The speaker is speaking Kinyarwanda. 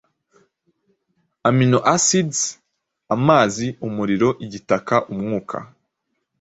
amino acids, amazi, umuriro, igitaka, umwuka